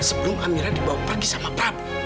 sebelum amira dibawa pergi sama prabu